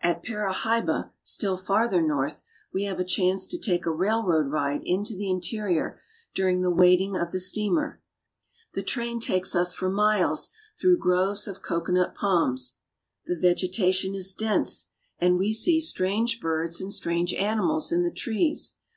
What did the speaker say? At Parahyba, still farther north, we have a chance to take a railroad ride into the interior during the waiting of the steamer. The train takes us for miles through groves of cocoanut palms. The vegetation is dense, and we see 294 BRAZIL. strange birds and strange animals in the trees.